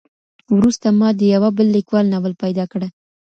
وروسته ما د يوه بل ليکوال ناول پيدا کړ.